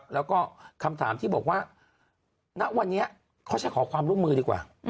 แล้วก็คำถามที่บอกว่าณวันนี้เขาจะขอความร่วมมือดีกว่า